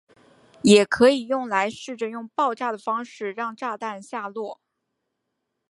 也可以用来试着用爆炸的方式让炸弹下落。